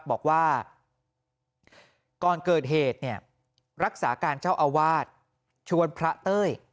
บอกว่าก่อนเกิดเหตุเนี่ยรักษาการเจ้าอาวาสชวนพระเต้ย